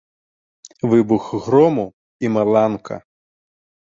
Выбух грому і маланка.